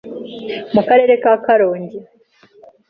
mu karere ka Karongi